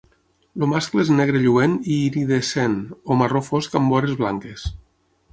El mascle és negre lluent i iridescent o marró fosc amb vores blanques.